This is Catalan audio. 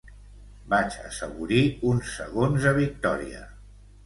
Vaig assaborir uns segons de victòria.